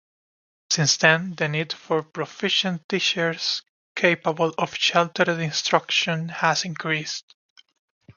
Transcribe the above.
Since then the need for proficient teachers capable of sheltered instruction has increased.